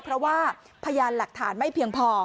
เพราะว่าพยานหลักฐานไม่เพียงพอ